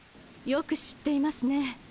よく知っていますね